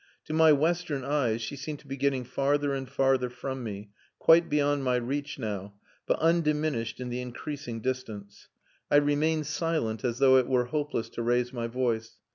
To my western eyes she seemed to be getting farther and farther from me, quite beyond my reach now, but undiminished in the increasing distance. I remained silent as though it were hopeless to raise my voice.